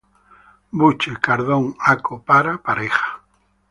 Buche: cardón, Aco: para, pareja.